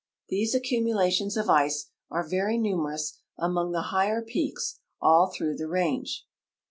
These accumulations of ice are very numerous among the higher peaks all through the range.